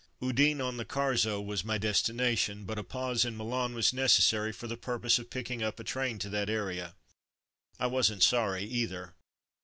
Udine on the Carso, was my destination, but a pause in Milan was necessary for the purpose of picking up a train to that area. I wasn't sorry either.